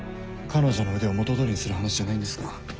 彼女の腕を元通りにする話じゃないんですか？